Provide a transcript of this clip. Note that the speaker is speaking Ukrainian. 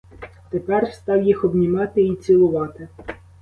Тепер став їх обнімати і цілувати.